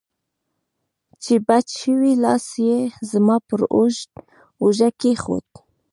چې بچ شوې، لاس یې زما پر اوږه کېښود.